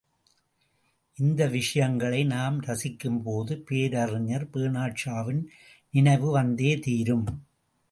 இந்த விஷயங்களை நாம் ரசிக்கும் போது பேரறிஞர் பெர்னாட்ஷாவின் நினைவு வந்தே தீரும்.